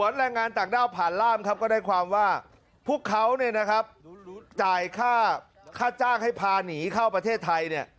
เราก็ได้ความว่าพวกเขาเนี่ยนะครับจ่ายค่าศาสตร์ค่าจ้างให้พานีเข้าประเทศไทยเนี่ย